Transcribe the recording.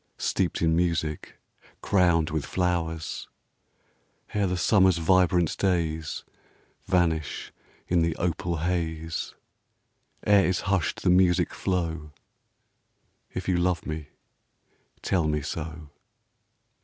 Steeped in music, crowned with flowers ; Ere the summer's vibrant days Vanish in the opal haze ; Ere is hushed the music flow, — If you love me, tell me so.